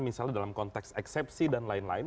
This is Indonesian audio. misalnya dalam konteks eksepsi dan lain lain